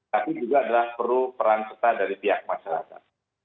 tapi juga adalah peran setara dari pihak masyarakat